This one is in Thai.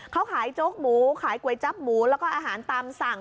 เขาขายโจ๊กหมูขายก๋วยจับหมูแล้วก็อาหารตามสั่ง